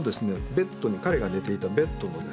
ベッドに彼が寝ていたベッドのですね